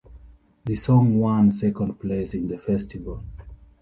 The song won second place in the Festival.